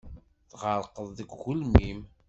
Tɣerqeḍ deg ugelmim.